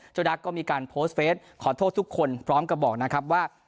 ดักก็มีการโพสต์เฟสขอโทษทุกคนพร้อมกับบอกนะครับว่า